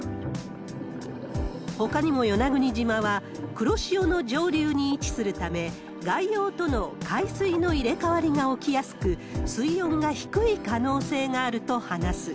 ほかにも与那国島は黒潮の上流に位置するため、外洋との海水の入れ替わりが起きやすく、水温が低い可能性があると話す。